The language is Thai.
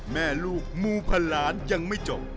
แม่ลูกมูพันล้านยังไม่จบ